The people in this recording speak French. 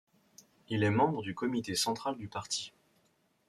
Il est membre du comité central du Parti.